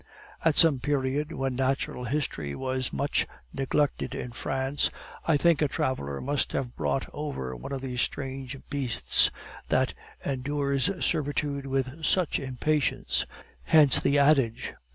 At some period when natural history was much neglected in France, I think a traveler must have brought over one of these strange beasts that endures servitude with such impatience. Hence the adage.